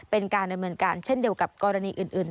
เป็นการเดินเหมือนกันเช่นเดียวกับกรณีอื่น